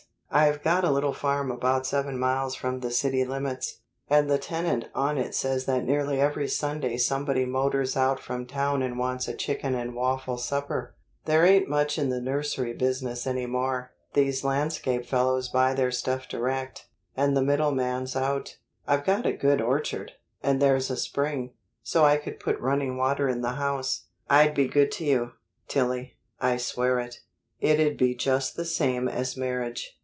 I've got a little farm about seven miles from the city limits, and the tenant on it says that nearly every Sunday somebody motors out from town and wants a chicken and waffle supper. There ain't much in the nursery business anymore. These landscape fellows buy their stuff direct, and the middleman's out. I've got a good orchard, and there's a spring, so I could put running water in the house. I'd be good to you, Tillie, I swear it. It'd be just the same as marriage.